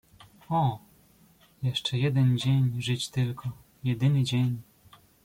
"O, jeszcze jeden dzień żyć tylko, jedyny dzień!"